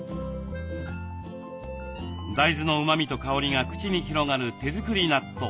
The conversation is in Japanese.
大豆のうまみと香りが口に広がる手作り納豆。